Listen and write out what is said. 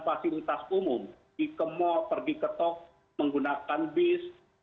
fasilitas umum di kemau pergi ke tog menggunakan bis